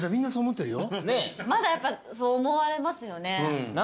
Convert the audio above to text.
まだやっぱそう思われますよね。